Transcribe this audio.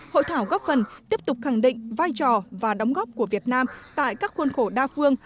hội thảo góp phần tiếp tục khẳng định vai trò và đóng góp của việt nam tại các khuôn khổ đa phương